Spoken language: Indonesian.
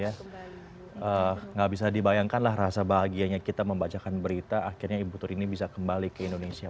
tidak bisa dibayangkanlah rasa bahagianya kita membacakan berita akhirnya ibu turini bisa kembali ke indonesia